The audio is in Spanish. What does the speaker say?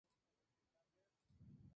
Junto con la Liga Comunista Espartaco.